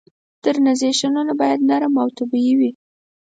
ترنزیشنونه باید نرم او طبیعي وي.